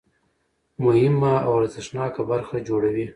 مهمه او ارزښتناکه برخه جوړوي.